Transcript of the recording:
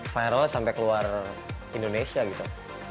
viral sampai keluar indonesia gitu